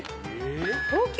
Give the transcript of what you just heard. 東京？